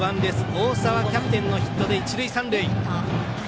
大澤キャプテンのヒットで一塁三塁。